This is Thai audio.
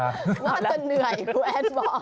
ว่าจะเหนื่อยครูแอนบอก